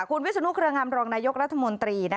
คุณวิสุนุกรงามรองนายกรัฐมนตรี